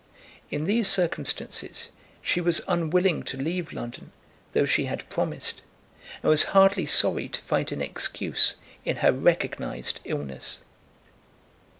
In these circumstances she was unwilling to leave London though she had promised, and was hardly sorry to find an excuse in her recognised illness.